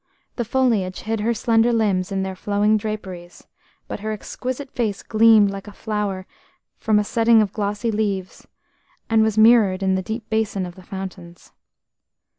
The foliage hid her slender limbs in their flowing draperies, but her exquisite face gleamed like a flower from a setting of glossy leaves, and was mirrored in the deep basin of the fountains.